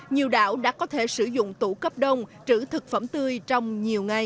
nhiều đảo đã có thể sử dụng tủ cấp đông trữ thực phẩm tươi trong nhiều ngày